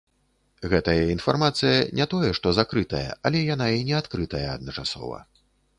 Гэтая інфармацыя не тое што закрытая, але яна і не адкрытая адначасова.